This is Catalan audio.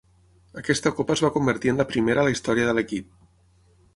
Aquesta Copa es va convertir en la primera a la història de l'equip.